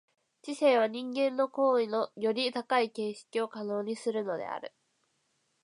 知性は人間の行為のより高い形式を可能にするのである。